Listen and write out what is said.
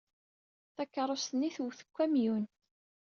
Takeṛṛust-nni twet deg ukamyun.